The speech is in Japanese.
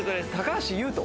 橋優斗？